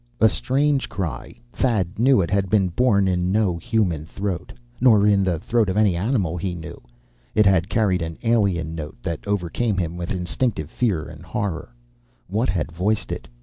A strange cry. Thad knew it had been born in no human throat. Nor in the throat of any animal he knew. It had carried an alien note that overcame him with instinctive fear and horror. What had voiced it?